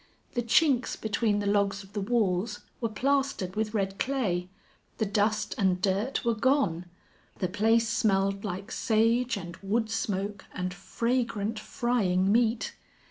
The chinks between the logs of the walls were plastered with red clay; the dust and dirt were gone; the place smelled like sage and wood smoke and fragrant, frying meat.